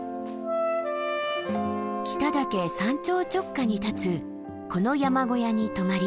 北岳山頂直下に立つこの山小屋に泊まり